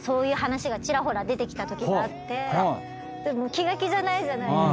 気が気じゃないじゃないですか。